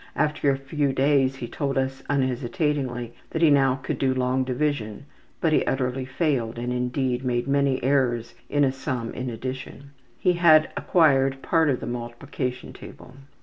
After a few days he told us unhesitatingly that he now could do long division, but he utterly failed, and, indeed, made many errors in a sum in addition. He had acquired part of the multiplication table.